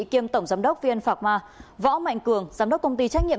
kiêm tổng giám đốc vn phạc ma võ mạnh cường giám đốc công ty trách nhiệm